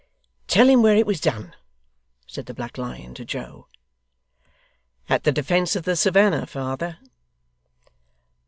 'Tell him where it was done,' said the Black Lion to Joe. 'At the defence of the Savannah, father.